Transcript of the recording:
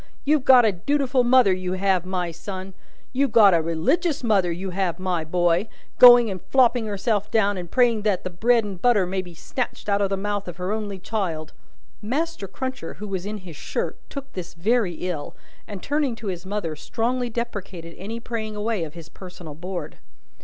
You've got a dutiful mother, you have, my son. You've got a religious mother, you have, my boy: going and flopping herself down, and praying that the bread and butter may be snatched out of the mouth of her only child." Master Cruncher (who was in his shirt) took this very ill, and, turning to his mother, strongly deprecated any praying away of his personal board.